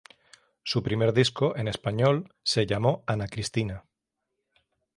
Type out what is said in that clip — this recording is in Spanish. Su primer disco, en español, se llamó "Ana Cristina".